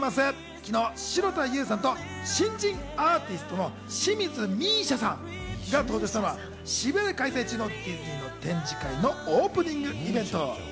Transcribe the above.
昨日、城田優さんと新人アーティストの清水美依紗さんが登場したのは渋谷で開催中のディズニー展示会のオープニングイベント。